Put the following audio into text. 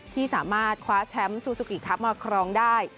ที่สามารถคว้าแชมป์ซูซูกิครับมาครองได้